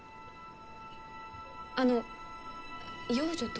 あの養女とは？